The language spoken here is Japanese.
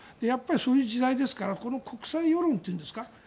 やっぱりそういう時代ですからこの国際世論というんですか